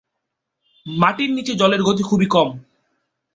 মাটির নিচে জলের গতি খুবই কম।